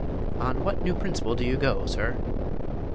"On what new principle do you go, sir?"